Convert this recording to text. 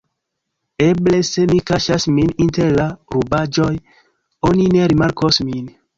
"Eble se mi kaŝas min inter la rubaĵoj, oni ne rimarkos min."